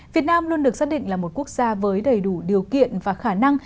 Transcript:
việt nam luôn được xác định là một quốc gia với đầy đủ điều kiện và khả năng